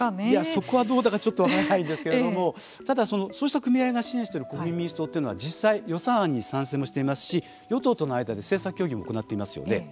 それはどうだか分からないですけどもただ、そうした組合が支援している国民民主党は予算案にも賛成していますし与党との間で政策協議も行っていますよね。